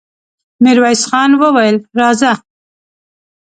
ميرويس خان وويل: راځه!